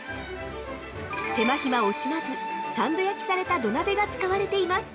手間暇惜しまず、三度焼きされた土鍋が使われています。